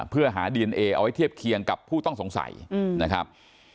เพื่อหาดีเอนเอเอาไว้เทียบเคียงกับผู้ต้องสงสัยนะครับ